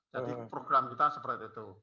jadi program kita seperti itu